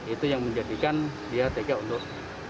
itu yang menjadikan dia tega untuk